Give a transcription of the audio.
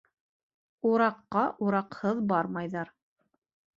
Ураҡҡа ураҡһыҙ бармайҙар.